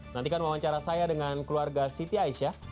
nantikan wawancara saya dengan keluarga siti aisyah